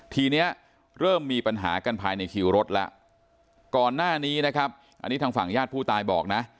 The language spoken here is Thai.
ทีนี้เริ่มมีปัญหากันภายในคิวรถแล้วก่อนหน้านี้นะครับอันนี้ทางฝั่งญาติผู้ตายบอกนะ